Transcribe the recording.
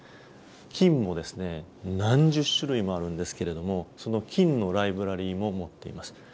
菌も何十種類もあるんですけれどもその菌のライブラリーも持っています。